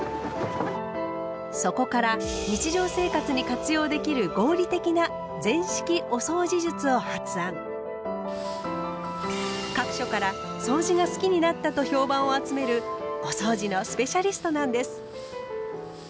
そこから日常生活に活用できる合理的な各所から「そうじが好きになった！」と評判を集めるおそうじのスペシャリストなんです。